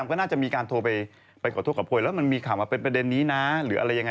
วันที่๒มีปะวันที่นุ่ม